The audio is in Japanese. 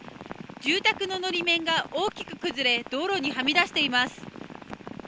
住宅ののり面が大きく崩れ道路に、はみ出しています。